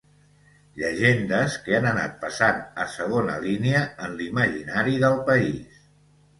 Llegendes que han anat passant a segona línia en l'imaginari del país